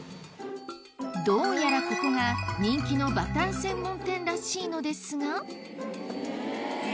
どうやらここが人気のバター専門店らしいのですがえ？